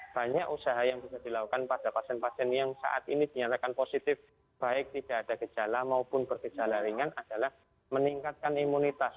banyak usaha yang bisa dilakukan pada pasien pasien yang saat ini dinyatakan positif baik tidak ada gejala maupun bergejala ringan adalah meningkatkan imunitas